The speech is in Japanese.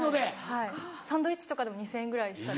はいサンドイッチとかでも２０００円ぐらいしたり。